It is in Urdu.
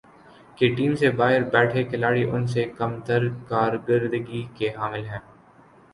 کہ ٹیم سے باہر بیٹھے کھلاڑی ان سے کم تر کارکردگی کے حامل ہیں ۔